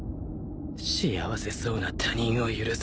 幸せそうな他人を許さない